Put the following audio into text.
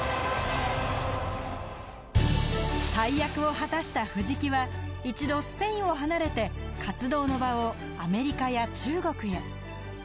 大役を果たした藤木は一度スペインを離れて活動の場をアメリカや中国へ。